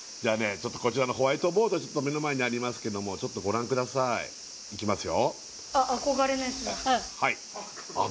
ちょっとこちらのホワイトボードちょっと目の前にありますけどもご覧くださいいきますよ